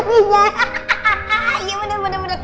hahaha iya bener bener